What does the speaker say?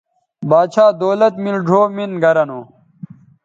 باچھا دولت میل ڙھؤ مِن گرہ نو